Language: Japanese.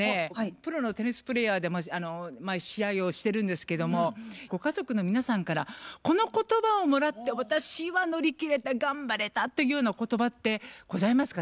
プロのテニスプレーヤーで試合をしてるんですけどもご家族の皆さんからこの言葉をもらって私は乗り切れた頑張れたっていうような言葉ってございますか？